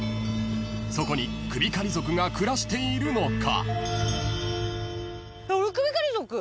［そこに首狩り族が暮らしているのか？］